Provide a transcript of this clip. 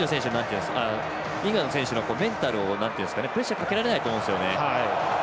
これぐらいしないとイングランドの選手のメンタルプレッシャーかけられないと思うんですよね。